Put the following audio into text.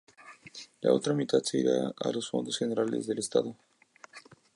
La otra mitad se iría a los fondos generales del estado.